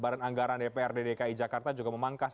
badan anggaran dprd dki jakarta juga memangkas